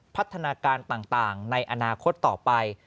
พัฒนาการต่างในอนาคตต่อไป